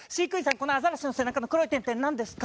このアザラシの背中の黒い点々なんですか？